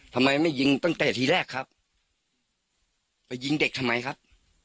ทำไมไม่ยิงตั้งแต่ทีแรกครับไปยิงเด็กทำไมครับ